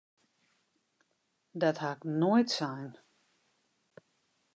Dat ha ik noait sein!